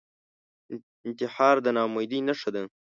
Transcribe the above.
انتحار د ناامیدۍ نښه ده